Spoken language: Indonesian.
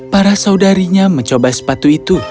para saudarinya mencoba sepatu itu